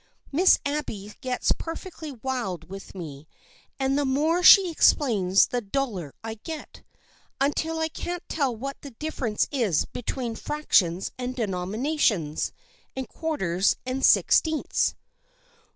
Miss Abby gets perfectly wild with me, and the more she explains the duller I get, until I can't tell what the difference is between fractions and denominators and quarters and sixteenths."